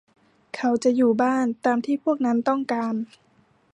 เขาจะอยู่บ้าน ตามที่พวกนั้นต้องการ